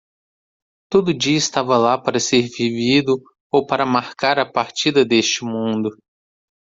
Todo dia estava lá para ser vivido ou para marcar a partida deste mundo.